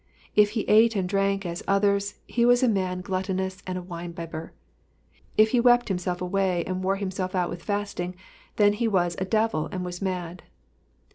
If he ate and drank as others, he was a man gluttonous and a wine bibber ; if he wept him.self away and wore himself out with fasting, then he had a devil and was mad.